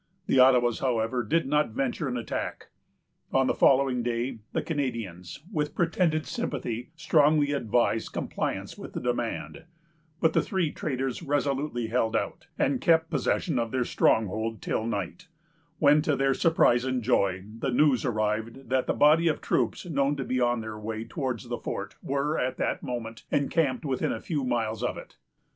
The Ottawas, however, did not venture an attack. On the following day, the Canadians, with pretended sympathy, strongly advised compliance with the demand; but the three traders resolutely held out, and kept possession of their stronghold till night, when, to their surprise and joy, the news arrived that the body of troops known to be on their way towards the fort were, at that moment, encamped within a few miles of it.